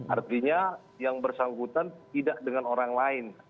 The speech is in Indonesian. artinya yang bersangkutan tidak dengan orang lain